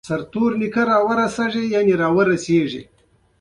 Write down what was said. تیمورشاه ډېر زیات په غوسه شو.